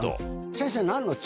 先生。